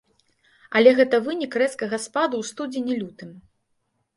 Але гэта вынік рэзкага спаду ў студзені-лютым.